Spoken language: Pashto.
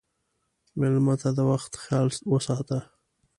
مېلمه ته د وخت خیال وساته.